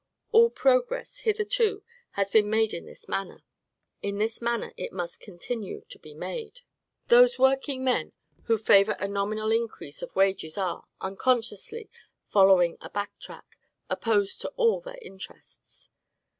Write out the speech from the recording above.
All progress hitherto has been made in this manner; in this manner it must continue to be made. Those workingmen who favor a nominal increase of wages are, unconsciously following a back track, opposed to all their interests.